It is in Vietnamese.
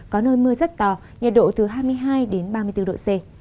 có nơi mưa rất to nhiệt độ từ hai mươi hai đến ba mươi bốn độ c